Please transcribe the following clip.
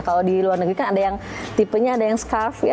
kalau di luar negeri kan ada yang tipenya ada yang scarf